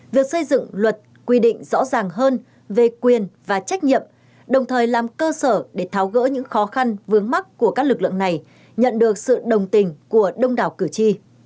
việc xây dựng luật quy định rõ ràng hơn về quyền và trách nhiệm đồng thời làm cơ sở để tháo gỡ những khó khăn vướng mắt của các lực lượng này nhận được sự đồng tình của đông đảo cử tri